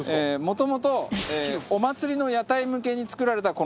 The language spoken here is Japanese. もともとお祭りの屋台向けに作られたこの商品。